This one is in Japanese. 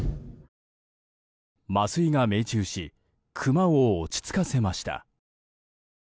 麻酔が命中しクマを落ち着かせました。